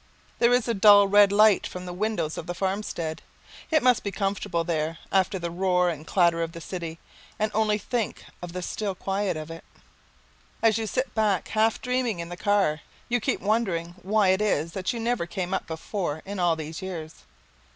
There is a dull red light from the windows of the farmstead. It must be comfortable there after the roar and clatter of the city, and only think of the still quiet of it. As you sit back half dreaming in the car, you keep wondering why it is that you never came up before in all these years.